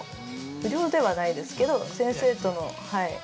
不良ではないですけど、先生との。